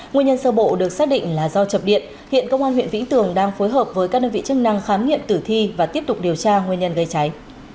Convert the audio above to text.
nguyên nhân sơ bộ được xác định là do chập điện hiện công an huyện vĩnh tường đang phối hợp với các đơn vị chức năng khám nghiệm tử thi và tiếp tục điều tra nguyên nhân gây cháy